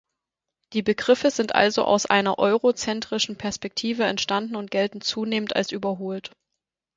Die Begriffe sind also aus einer eurozentrischen Perspektive entstanden und gelten zunehmend als überholt.